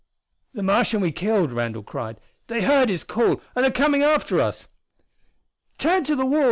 "The Martian we killed!" Randall cried. "They heard his call and are coming after us!" "Turn to the wall!"